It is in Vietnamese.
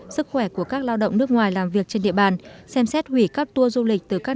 sức khỏe của các lao động nước ngoài làm việc trên địa bàn xem xét hủy các tour du lịch từ các